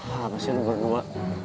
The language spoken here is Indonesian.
hah apa sih lo berdua